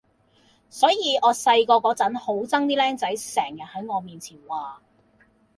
所以我細個嗰陣好憎啲儬仔成日喺我面前話